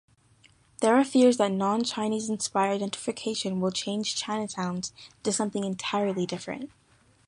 There are fears that non-Chinese-inspired gentrification will change Chinatowns into something entirely different.